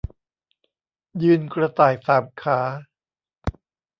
ยืนกระต่ายสามขา